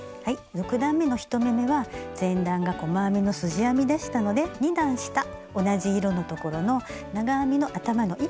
６段めの１目めは前段が細編みのすじ編みでしたので２段下同じ色のところの長編みの頭の１本。